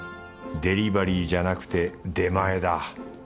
デリバリーじゃなくて出前だ。